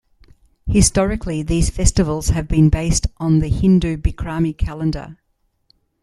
Historically, these festivals have been based on the Hindu Bikrami calendar.